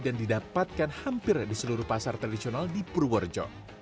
dan didapatkan hampir di seluruh pasar tradisional di purworejo